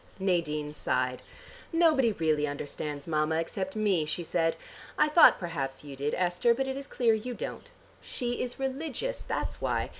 Nadine sighed. "Nobody really understands Mama except me," she said. "I thought perhaps you did, Esther, but it is clear you don't. She is religious, that's why.